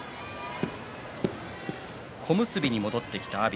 小結に戻ってきた阿炎